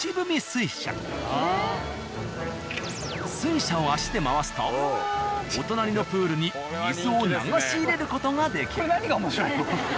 水車を足で回すとお隣のプールに水を流し入れる事ができる。